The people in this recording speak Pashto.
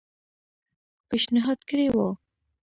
پېشنهاد کړی وو.